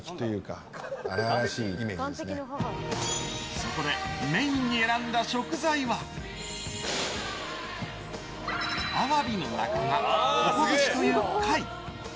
そこでメインに選んだ食材はアワビの仲間、とこぶしという貝。